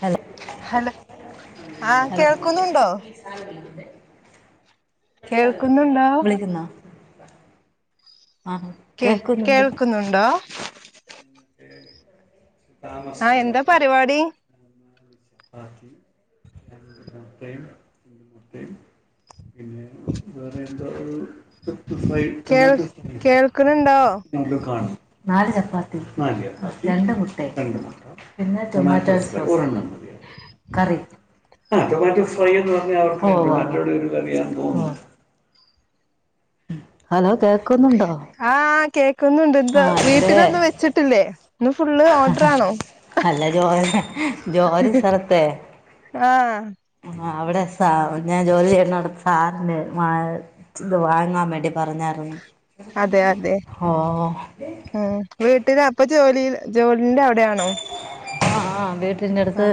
Hello hello ആ hello കേൾക്കുന്നുണ്ടോ കേൾക്കുന്നുണ്ടോ വിളിക്കുന്നാ കേ കേക്കുന്നുണ്ട് കേൾക്കുന്നുണ്ടോ [inaudible] ആ എന്താ പരിപാടി [unintelligible] പിന്നെ എന്താ ഒരു ഫൈ കേൾ ടൊമാറ്റോ ഫ്രൈ കേൾക്കുന്നുണ്ടോ [unintelligible] കാണും നാല് ചപ്പ [unintelligible] മതിയോ രണ്ട് മുട്ട ഉം പിന്നെ ടൊമാറ്റോ കറി ആ ടൊമാറ്റോ ഫ്രൈ എന്ന് പറഞ്ഞാ അവർക്ക്മാറ്റോട് ഒരു കറിയ തോന്നുന്നു ഹലോ കേക്കുന്നു ണ്ടോ ആ കേക്കൊന്നു ഉണ്ട് എന്ത വീട്ടിലൊന്നും വെച്ചിട്ടില്ലേ ഇന്ന് ഫുള്ള് ഓർഡർ ആണോ അല്ല ജോ ജോലി സ്ഥല ത്തെ ആ ആ അവിടെ സാ ഞാൻ ജോലി ചെയ്യണവിടെ സാറിന് ഇത് വാങ്ങാൻ വേണ്ടി പറഞ്ഞായിരുന്നു അതെ അതെ ഓഹ് ഉം വീട്ടില അപ്പ ജോലി ജോലിന്റെ അവിടെയാണോ ആ ആ വീട്ട വീടിൻ്റെ അടുത്ത് ആഹ്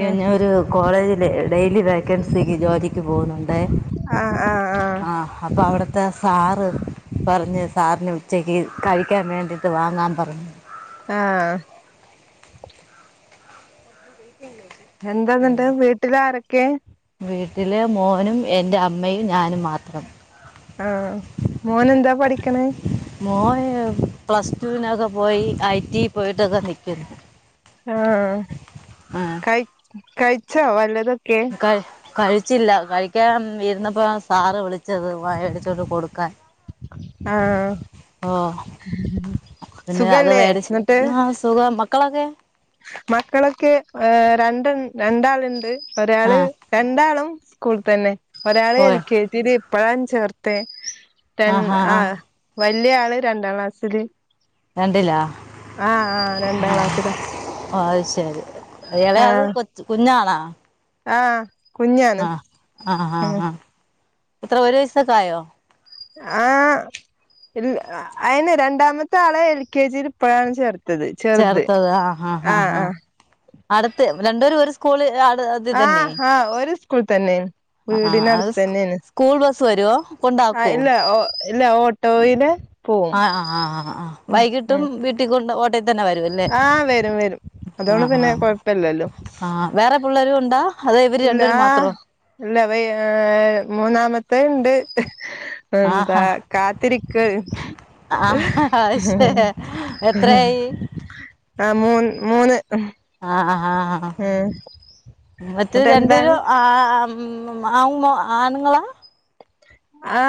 ഞാൻ ആഹ് ഒരു കോളേജിൽ ഡെയിലി വേക്കൻസിക്ക് ജോലിക്ക് പോകുന്നുണ്ട് ആ ആ അപ്പൊ അവിടുത്തെ സാറ് പറഞ്ഞത് സാറിന് ഉച്ചയ്ക്ക് കഴിക്കാൻ വേണ്ടിയിട്ട് വാങ്ങാൻ പറഞ്ഞു ആഹ് [inaudible] എന്താന്നണ്ട് വീട്ടിൽ ആരൊക്കെ വീട്ടിലെ മോനും എൻ്റെ അമ്മയും ഞാനും മാത്രം ആ മോന് എന്താ പഠിക്കണേ മോന് പ്ലസ് ടുവിനൊക്കെ പോയി ഐ ടി പോയിട്ടൊക്കെ നിൽക്കുന്നു ആഹ് കഴി കഴിച്ചോ വല്ലതും ക കഴിച്ചില്ല കഴിക്കാൻ ഇരുന്നപ്പോ സാറ് വിളിച്ചത് വടിച്ചോട്ട് കൊടുക്കാൻ ആ ഓ പിന്നെ അത് സുഖല്ലേ മേടിച്ച് എന്നിട്ട് സുഖം മക്കളൊക്കെ മക്കളൊക്കെ ഏ രണ്ട രണ്ടാളുണ്ട് ഒരാള് ആ രണ്ടാളും സ്കൂള തന്നെ ഒരാള് എൽ പോയോ കെ ജി ല് ഇപ്പയം ചേർത്തിയെ ര ആഹ് ആഹ് ആ ആഹ് വലിയ ആള് രണ്ടാം ക്ലാസ്സിൽ രണ്ടിലാ ആ ആ രണ്ടാം ക്ലാസ്സിലാ അത് ശെരി എളെ ആൾ കൊച് കുഞ്ഞാണാ ആഹ് ആ ആ ആഹ് ആ ഇത്ര ഒരു വയസൊക്കെ ആയോ ആ അയിന് രണ്ടാമത്തെ ആളെ എൽ കെ ജിയിൽ ഇപ്പോഴാണ് ചേർത്തത് ചെറുത് ചേർത്തത് ആ ആ ആഹ് അടുത്ത് രണ്ടരും ഒരു സ്കൂള് അത് ഇത് ആ തന്നെ ആഹ് ഒരു സ്കൂൾ തന്നെയാണ് ആഹ് ആഹ് അത് വീടിനടുത്ത് സ്കൂ തന്നെയാണ് സ്കൂൾ ബസ് വരുവോ ആ കൊണ്ടാക്കുവോ ഇല്ല ഓ ഇല്ല ഓട്ടോ ല് ആ ആ ആ ആ വൈകിട്ടും വീട്ടിൽ കൊണ്ട് വരല്ലേ ആഹ് വരും വരും ആ അതോണ്ട് ആ പിന്നെ കൊഴപ്പല്ലല്ലോ ആ വേറെ പിള്ളേരു ഉണ്ടാ അതോ ഇവര് ഇല്ലാ രണ്ടുപേരും മാത്രോ ഇല്ല വ ഏ മൂന്നാമത്തെ ഉണ്ട് എന്താ ആഹാ കാത്തിരിക്ക് ആഹ് അത് ഹ ശരി എത്രയായി [inaudible] ആ മൂ മൂന്ന് ആ ആ ആ ഉം മറ്റെ ന്നട്ട് എന്താണ് രണ്ടൂപേരും ആ ആ മ് അ ആ ആഉമ്മ ആണ്ങ്ങളാ ആ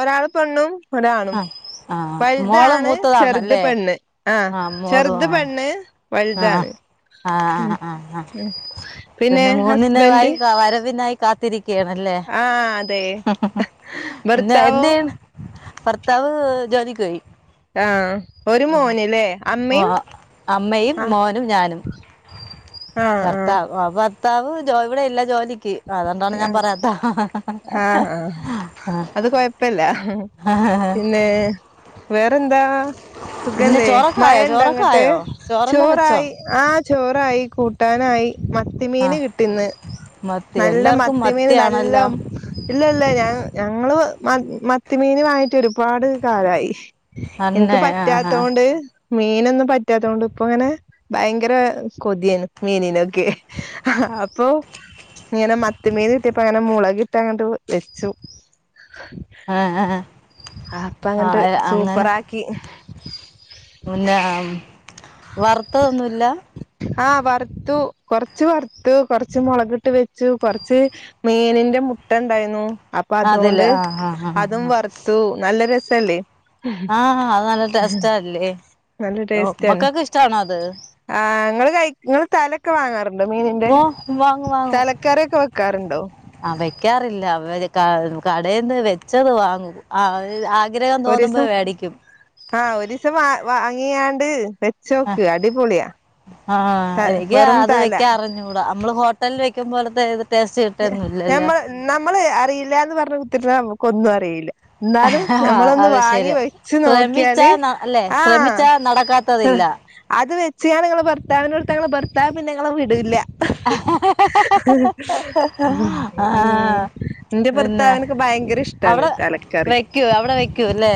ഒരാൾ പെണ്ണും ഒരാണും ആഹ് ആഹ് മോള് വലുതാണ് ചെറുത് മൂത്തതാണല്ലേ പെണ്ണ് ആ ആഹ് മോള് ചെറുത് ആഹ് പെണ്ണ് ആഹ് വൽതാണ് ആഹ് മ് ആഹ് ആഹ് ആഹ് മ് പിന്നെ ഹസ്ബൻഡ് ണല്ലേ ആഹ് അതെ പിന്നെ ഭർത്താവോ എന്ത്യ്യ്യാണ് ഭർത്താവ് ജോലിക്ക് പോയി ആ ഒരു മോനല്ലേ അമ്മയും അമ്മയും ആ മോനും ഞാനും ആഹ് ആഹ് ഭർത്താവ് വ ഭർത്താവ് ഇവിടെ ഇല്ല ജോലിക്ക് അതുകൊണ്ടാണ് ഞാൻ ആഹ് പറയാത്ത ആഹ് അത് കൊഴപ്പില്ല ആഹ് പിന്നെ വേറെന്താ പിന്നെ സുഖല്ലേ ചോറൊക്കെ മഴ ആയോ ഇണ്ട ചോറൊക്കെ ങ്ങട്ട് ആയോ ചോറെല്ലാം വെച്ചോ ചോറായി ആ ചോറായി കൂട്ടാനായി മത്തി ആ മീന് കിട്ടിന്ന് മത്തി നല്ല എല്ലാവർക്കും മത്തി മീന് നല്ല മത്തിയാണല്ലോ ഇല്ല ഇല്ല ഞ ഞങ്ങള് മത്തി മീന് വാങ്ങിട്ട് ഒരുപാട് കാലായി എനിക്ക് അന്നെ ആ പറ്റാത്ത കൊണ്ട് ആ, മീനൊന്നും പറ്റാത്ത കൊണ്ട് ഇപ്പ അങ്ങനെ ഭയങ്കര കൊതിയാണ് മീനിനൊക്കെ അപ്പൊ ഇങ്ങനെ മത്തി മീന് കിട്ടിയപ്പോ അങ്ങനെ മുളകിട്ട്അങ്ങട്ട വച്ചു ആ, അപ്പ ആ, അങ്ങട്ട് അങ്ങനെ സൂപ്പറാക്കി പിന്നെ ഉം, വറുത്തതൊന്നുമില്ല ആ വറുത്തു കൊറച്ച് വറുത്തു കൊറച്ച് മുളകിട്ട് വെ ച്ചു കൊറച്ച് മീനിന്റെ മുട്ട ഇണ്ടായിരുന്നു അപ്പൊ അതില് അതുകൊണ്ട് ആ ആ അതും വറുത്തു നല്ല ര ആഹ അത് നല്ല ട്ടെസ്റ്റല്ലേ നല്ല ടേസ്റ്റ് ആണ് ആ നിങ്ങള് കൈ ങ്ങള് തലൊക്കെ വാങ്ങാറ് മീനിന്റെ ഓ വാങ്ങും വാങ്ങും തലക്കാറിക്കെ വെക്കാറുണ്ടോ കടന്ന് വെച്ചത് വാങ്ങും ആഗ്രഹം ഒരുസം തോന്നുമ്പോൾ മേടിക്കും ആഹ ഒരിസം വ വാങ്ങിയാണ്ട് ആ വെച്ചോക്ക് അടിപൊളിയാ ആ ത എനിക്ക് വെറും അത് തല വെക്കാ അറിഞ്ഞൂടാ നമ്മള് ഹോട്ടല വ വെക്കുമ്പോളത്തെ നമ്മ നമ്മള് അറിയില്ലന്ന് പറഞ്ഞ കുത്തിരിന്നാ നമുക്ക് ഒന്നും അറിയില്ല എന്നാലും ഞമ്മളൊന്ന് അത് വാങ്ങി ശരി വെച്ച് ശ്രമിച്ചാ നോക്കിയാല് ന- അല്ലേ ആഹ ശ്രമിച്ചാ നടക്കാത്തതില്ല അത് വെ ചെയ്യാൻ നിങ്ങള ഭർത്താവിനോടുത്ത് ഭർത്താവ് പിന്നെ ങ്ങളെ വിടില്ല ആ ഉ എന്റെ പിന്നെ ഭർത്താവിനൊക്കെ ഭയങ്കര ഇഷ്ടാണ് അവിടെ തലക്കറി വെക്കൂ അവിടെ വെക്കൂ അല്ലേ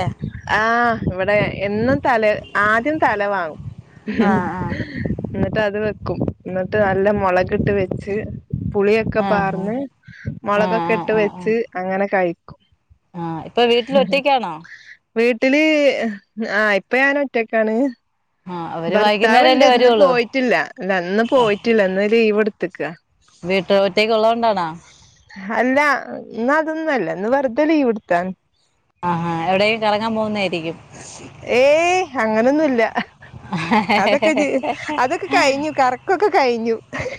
ആഹ് ഇവിടെ എന്നും തല ആദ്യം തല വാങ്ങും ആ ആ ന്നട്ട് അത് വെക്കും എന്നിട്ട് നല്ല മുളക് ഇട്ട് വെച്ച് പുളി ആ ആ. പാർന്ന് ആ മുളകൊക്കെ ഇട്ട് വെച്ച് അങ്ങനെ കഴി ആഹ ഇപ്പൊ വീട്ടിൽ ഒറ്റയ്ക്കാണോ വീട്ടില് ആഹ് ഇപ്പ ഞാന ഒറ്റക്കാണ് ആ അവര് ഭർത്താവ് ഇണ്ട് വൈകുന്നേരല്ലേ ഇന്ന് വരുവുള്ളൂ പോയിട്ടില്ല അന്ന് പോയിട്ടില്ല ഇന്ന് ലീവ് എടുത്ത്ക്കാ വീട്ടില ഒറ്റയ്ക്ക ഉള്ളതത് കൊണ്ടാണാ അല്ല ഇന്നു അതൊന്നുംല്ല ഇന്ന് വെറുതെ ലീവ്ടുത്താതാ ആഹാ എവിടെേക്കും കറങ്ങാൻ പോകുന്നതായിരിക്കും ഏയ് അങ്ങനൊന്നുംല്ല അതൊക്കെ പോകുന്നതായിരിക്കും അതൊക്കെ കഴിഞ്ഞു കറക്കൊക്കെ കഴിഞ്ഞു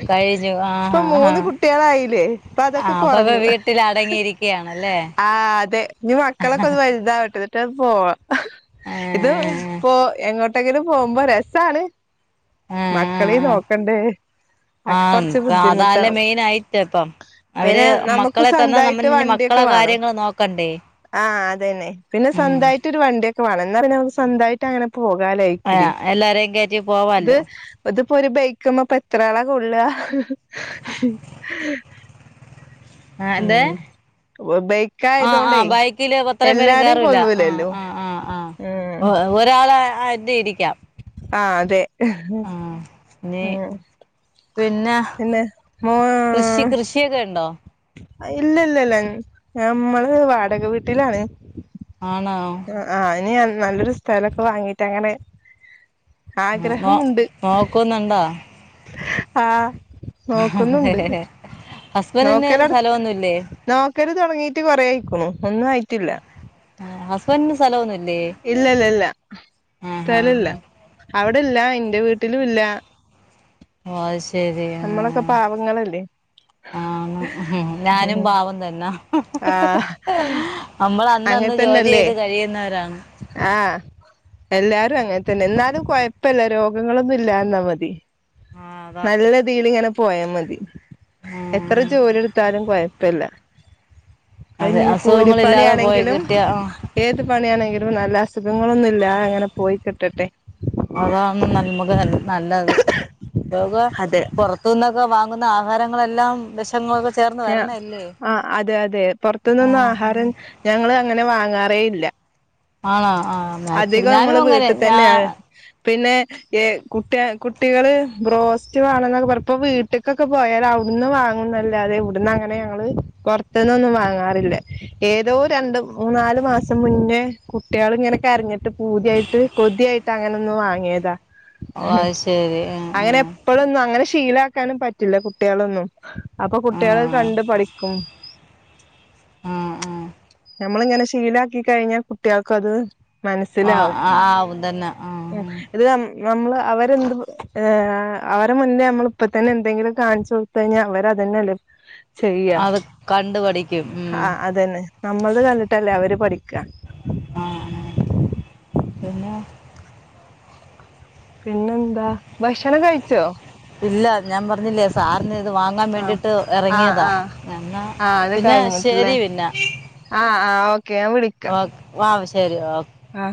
കഴിഞ്ഞു ആഹ് ഇപ്പൊ ആഹ് മൂന്ന് ആഹ് കുട്ടികളായില്ലേ ഇപ്പൊ അതൊക്കെ ആഹ് അപ്പൊ ഇപ്പൊ കുറഞ്ഞു വീട്ടിൽ അടങ്ങിയിരിക്കയാണല്ലേ ആ അതെ ഇനി മക്കളെൊക്കെ വലുതവട്ടെ ന്നട്ട് വേണം പോവാ ഇത് ഇ ഏഹ് പോ എങ്ങോട്ട് പോകുമ്പോ രസാണ് മക്കളെയും നോക്കണ്ടേ അക്കെ കൊറച്ച് ആഹപ്പ അതല്ല ബുദ്ധിമുട്ടാവും മെയിൻ ആയിട്ട് ഇപ്പം അവര് പിന്നെ നമുക്ക് മക്കളെ തന്നാ നമ്മ സ്വന്തായിട്ട് ഇ മക്കളെ വണ്ടിയൊക്കെ വേണം കാര്യങ്ങള്ൾ നോക്കണ്ടേ ആഹ് അതന്നെ പിന്നെ ഉം സ്വന്തമായിട്ട് ഒരു വണ്ടിയൊക്കെ വേണംന്ന് പറഞ്ഞ ന സ്വന്തമായിട്ട് അങ്ങനെ പോകാലായിക്കൂടി ആഹ് എല്ലാരെയും കയറ്റി ഇത് പോവാല്ലോ ഇത് ഇപ്പൊ ഒരു ബൈക്ക്മ്മ പോപ്പ എത്രാളാ കൊള്ള ആഹ എന്താ ആഹ ആഹ ബൈക്കായതോണ്ടേ ബൈക്കില് ഇപ്പത്രയും പേരും എല്ലാരിം കേയറില്ല ആ കൊള്ളൂലല്ലോ ആ് ആ ആ ഉം ആഹ ഒരാള ഇത് ഇരിക്കാം ആഹ അതെ ഉം ആഹ് ഇനി പിന്നെ പിന്നെ മ കൃഷി കൃഷിയൊക്കെ ഉണ്ടോ ഇല്ല ഇല്ലല്ല നമ്മള് വാടക വീട്ടിലാണ് ആണോ ആ ആഹ് ഇനി നല്ലൊരു സ്ഥലൊക്കെ വാങ്ങീട്ട് അങ്ങനെ ആ നോ ആഗ്രഹമുണ്ട് നോക്കുന്നുണ്ടോ ആഹ നോക്കുന്നുണ്ട് ഹസ്ബൻഡിന് നോക്കല് അടു സ്ഥലമൊന്നുമില്ലേ നോക്കല് തുടങ്ങീട്ട് കൊറെ ആയിക്കുണു ഒന്നും ആയിട്ടില്ല ആ ഹസ്ബൻഡിന് സ്ഥലം ഒന്നും ഇല്ലല്ല ഇല്ല ആഹാ സ്ഥലല്ല അവിടെല്ല എന്റെ വീട്ടിലും ഇല്ല ഓ ശരി ആ നമ്മളൊക്കെ പാവങ്ങളല്ലേ ആ ഞാനും പാവും തന്നെ ആഹ് നമ്മൾ അന്ന ന്ന് ജോലി ചെയ്ത് കഴിയുന്നവരാണ് ആഹ എല്ലാരും അങ്ങനെ തന്നെ എന്നാലും കൊഴപ്പല്ല രോഗങ്ങളൊന്നും ഇല്ലന്നാ മതി ആ അതാ നല്ലത്തീലിങ്ങനെ [unintelligible] പോയ മതി എത്ര ഉം ജോലി എടുത്താലും കൊയപ്പില്ല അത് അതെ ഇഞ്ഞി അസുഖങ്ങളില്ലാതെ പോയി കൂലിപ്പണിയാണെങ്കിലും കിട്ടിയ ആ ഏത് പണിയാണെ എങ്കിലും നല്ല അസുഖങ്ങളൊന്നുല്ല അങ്ങനെ പോയി കിട്ടട്ടെ അതാണ് നൻ നമ്മക്ക് നല്ലത് [unintelligible] അതെ പൊറത്തൂന്നൊക്കെ വാങ്ങ് ന്ന ആഹാരങ്ങളെല്ലാം വെശങ്ങളൊക്കെ ഞാ ആ അതെ അതെ പൊറത്ത്ന്നൊന്നും ഉം ആഹാരം ഞങ്ങള് അങ്ങനെ വാങ്ങാ റേല്ല ആണോ ആ മാക്സിമം അധികം ഞാനും മ്മള് അങ്ങനെ ഞാ വീട്ട്തെന്നെ പിന്നെ എ കുട്ടി കുട്ടികള് ബ്രോസ്റ്റ് വാണന്നൊക്കെ പറപ്പോ വീട്ടിക്കൊക്കെ പോയാല് അവ് ന്ന് വാങ്ങുന്നല്ലാതെ ട്ന്നങ്ങനെ ഞങ്ങള് പൊറത്ത്ന്നൊന്നും വാങ്ങാറില്ല ഏതോ രണ്ട്മൂന്നാല് മാസം മുന്നെ ഏ കുട്ട്യാള്ങ്ങനെ കരഞ്ട്ട് പൂതിയായിട്ട് കൊതിയായിട്ട് അങ്ങനൊന്ന് വാങ്യേത ഓ അത് ശരി ആ അങ്ങനെ എപ്പളൊന്നും അങ്ങനെഷ് ശീലാക്കാനും പറ്റില്ല കുട്ട്യാളൊന്നും അപ്പൊ കു ട്ട്യാള് കണ്ട് പഠിക്കും ആ ആ ഞമ്മള്ങ്ങനെ ശീലാക്കി കയ്ഞ്ഞാ കുട്ട്യാക്കത് ആ ആ മനസ്സിലാവും ആ ആവും തന്നെ ആ ഉം. ഇത് നമ്മള് അവരെന്ത് ആ അവരെ മുന്നേ നമ്മളിപ്പത്തെന്നെ എന്തെങ്കിലും കാണിച്ചൊടുത്ത് കയ്ഞ്ഞാ അവര തെന്നെല്ലേ ചെയ്യാ അത് കണ്ട് പഠിക്കും ഉം ആ അതെന്നെ നമ്മളത് കണ്ടിട്ടല്ലേ അവര് പഠിക്കാ ആ അ പിന്നെ പിന്നെന്താ ഭക്ഷണം കഴിച്ചോ ഇല്ല ഞാൻ പറഞ്ഞില്ലേ സാറിന് ഇത് വാങ്ങാൻ ആഹ് വേണ്ടിട്ട് ആഹ് എറങ്ങിയതാ ആഹ് എന്നാ പിന്നെ ശെരി പിന്നാ ആ ആ ഓക്കെ ഞാൻ വിളിക്കാ ആ ശെരി ഓ ആ